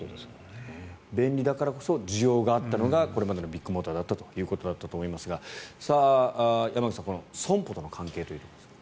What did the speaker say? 便利だからこそ需要があったのがこれまでのビッグモーターだったと思いますが山口さん、損保との関係というところですが。